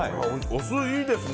お酢いいですね